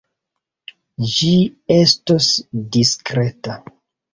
Ĝi estos diskreta.